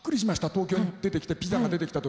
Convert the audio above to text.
東京に出てきてピザが出てきた時は。